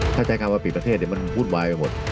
ถ้าใจการมาปิดประเทศมันบุ่นวายไปหมด